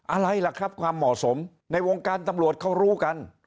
อะไรล่ะครับความเหมาะสมในวงการตำรวจเขารู้กัน